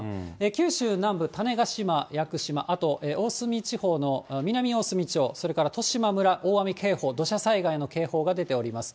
九州南部、種子島・屋久島、あと大隅地方の南大隅地方、それから十島村、大雨警報、土砂災害の警報が出ております。